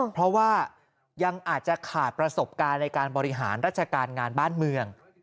เพราะว่ายังอาจจะขาดประสบการณ์ในการบริหารราชการงานบ้านเมือง